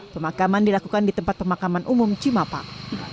pemakaman dilakukan di tempat pemakaman umum cimapang